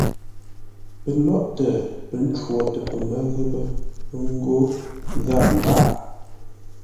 Pəlóghʼtə pə́ ncwotə pəmə́ ghəpə́ ńgó gháp lâghʼ.